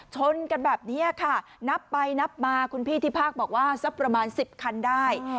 ชนกันแบบนี้ค่ะนับไปนับมาคุณพี่ที่ภาคบอกว่าสักประมาณ๑๐คันได้